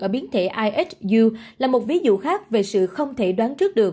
ở biến thể ihu là một ví dụ khác về sự không thể đoán trước được